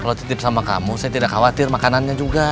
kalau titip sama kamu saya tidak khawatir makanannya juga